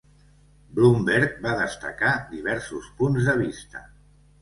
Bloomberg va destacar diversos punts de vista.